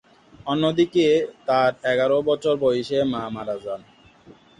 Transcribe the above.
অন্যদিকে তার এগারো বছর বয়সে মা মারা যান।